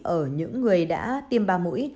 ở những người đã tiêm ba mũi